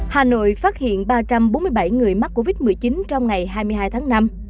hà nội phát hiện ba trăm bốn mươi bảy người mắc covid một mươi chín trong ngày hai mươi hai tháng năm